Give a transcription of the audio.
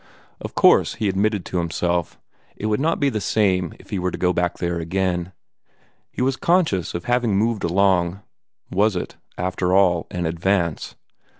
Of course, he admitted to himself, it would not be the same if he were to go back there again. He was conscious of having moved along was it, after all, an advance?